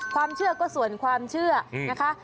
ความเชื่อก็ส่วนความเชื่อนะคะ